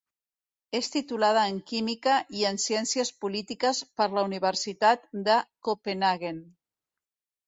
És titulada en química i en ciències polítiques per la Universitat de Copenhaguen.